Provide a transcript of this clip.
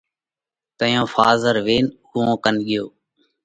تئيون ڦازر وينَ اُوئون ڪنَ ڳيو۔